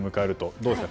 どうですか？